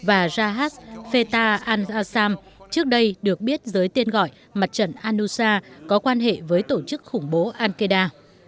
al qaida al assam trước đây được biết dưới tiên gọi mặt trận al nusra có quan hệ với tổ chức khủng bố al qaida